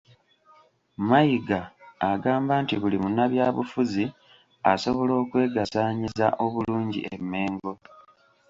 Mayiga agamba nti buli munnabyabufuzi asobola okwegazanyiza obulungi e Mmengo